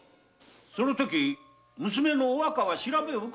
その時娘のお若の調べは？